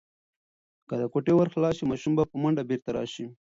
که د کوټې ور خلاص شي، ماشوم به په منډه بیرته راشي.